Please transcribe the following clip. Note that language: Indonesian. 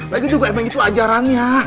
lagi juga emang itu ajarannya